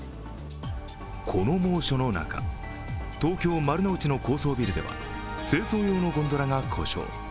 この猛暑の中、東京・丸の内の高層ビルでは清掃用のゴンドラが故障。